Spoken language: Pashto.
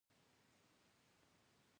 زه په ژوند کي هدف لرم.